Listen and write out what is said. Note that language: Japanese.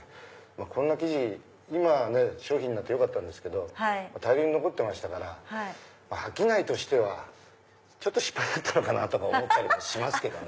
こんな生地今商品になってよかったけど大量に残ってましたから商いとしては失敗だったのかなと思ったりもしますけどね。